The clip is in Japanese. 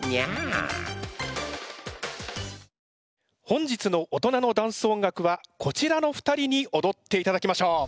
本日の「おとなのダンス音楽」はこちらの２人におどっていただきましょう。